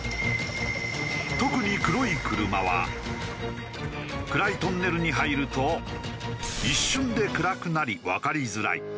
特に黒い車は暗いトンネルに入ると一瞬で暗くなりわかりづらい。